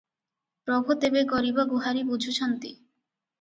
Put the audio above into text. ପ୍ରଭୁ ତେବେ ଗରିବ ଗୁହାରୀ ବୁଝୁଛନ୍ତି?